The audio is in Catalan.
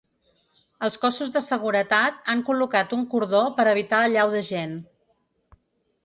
Els cossos de seguretat han col·locat un cordó per evitar l’allau de gent.